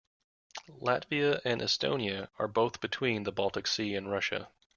Latvia and Estonia are both between the Baltic Sea and Russia.